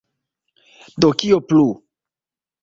Do, kio plu?